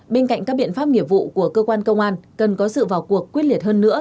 bên cạnh các biện pháp nghiệp vụ của cơ quan công an cần có sự vào cuộc quyết liệt hơn nữa